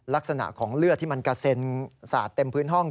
ลักษณะของเลือดที่มันกระเซ็นสาดเต็มพื้นห้อง